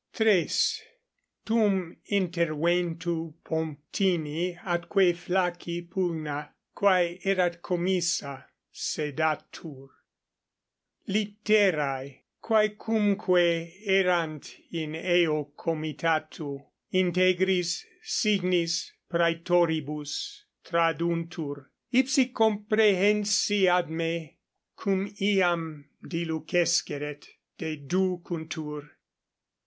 = Tum interventu Pomptini atque Flacci pugna, quae erat commissa, sedatur. Litterae, quaecumque erant in eo comitatu, integris signis praetoribus traduntur; ipsi comprehensi ad me, cum iam dilucesceret, deducuntur.